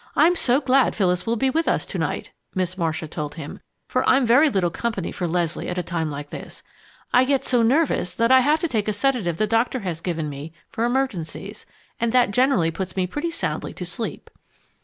"I'm so glad Phyllis will be with us to night," Miss Marcia told him, "for I'm very little company for Leslie at a time like this. I get so nervous that I have to take a sedative the doctor has given me for emergencies, and that generally puts me pretty soundly to sleep."